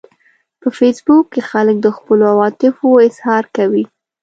په فېسبوک کې خلک د خپلو عواطفو اظهار کوي